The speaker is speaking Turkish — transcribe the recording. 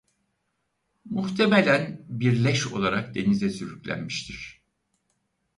Muhtemelen bir leş olarak denize sürüklenmiştir.